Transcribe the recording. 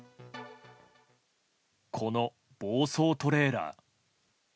この暴走トレーラー。